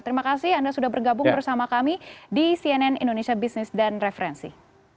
terima kasih anda sudah bergabung bersama kami di cnn indonesia business dan referensi